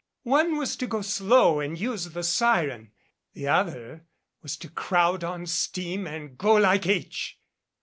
"One was to go slow and use the siren. The other was to crowd on steam and go like h